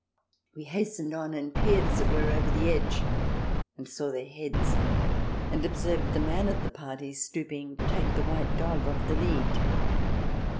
We hastened on, and peered, as it were, over the edge and saw their heads, and observed the man of the party, stooping, take the white dog off the lead.